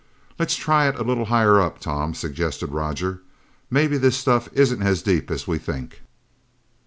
"Let's try it a little higher up, Tom," suggested Roger. "Maybe this stuff isn't as deep as we think."